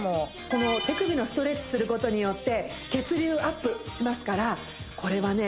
この手首のストレッチすることによって血流アップしますからこれはね